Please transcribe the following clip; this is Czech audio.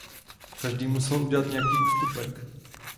Každý musel udělat nějaký ústupek.